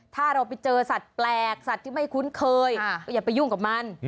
ถ้าเราไปเจอสัตว์แปลกสัตว์ที่ไม่คุ้นเคยก็อย่าไปยุ่งกับมัน